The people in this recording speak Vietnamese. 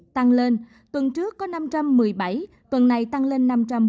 tăng lên tuần trước có năm trăm một mươi bảy tuần này tăng lên năm trăm bốn mươi một